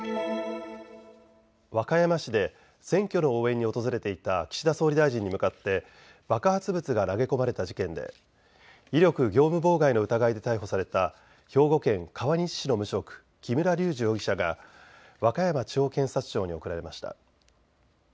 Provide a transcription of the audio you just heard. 和歌山市で選挙の応援に訪れていた岸田総理大臣に向かって爆発物が投げ込まれた事件で威力業務妨害の疑いで逮捕された兵庫県川西市の無職、木村隆二容疑者が和歌山地方検察庁に送られました。